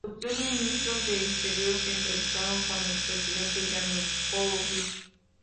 Los tres ministros de Exteriores se entrevistaron con el presidente Yanukóvich.